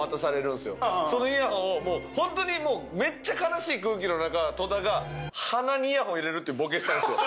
そのイヤホンを本当にもうめっちゃ悲しい空気の中戸田が鼻にイヤホンを入れるっていうボケしたんですよ。